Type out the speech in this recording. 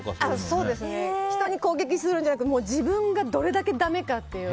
人に攻撃するんじゃなくて自分がどれだけだめかっていうの。